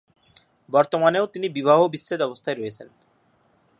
বর্তমানেও তিনি বিবাহ বিচ্ছেদ অবস্থায় রয়েছেন।